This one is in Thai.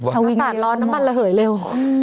ถ้าวิ่งมีร้อนน้ำมันระเหยเร็ว